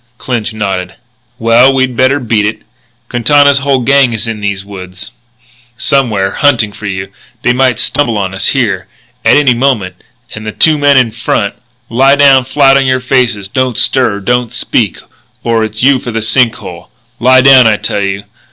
Clinch nodded. "Well, we'd better beat it. Quintana's whole gang is in these woods, somewhere, hunting for you, and they might stumble on us here, at any moment." And, to the two men in front: "Lie down flat on your faces. Don't stir; don't speak; or it's you for the sink hole.... Lie down, I tell you!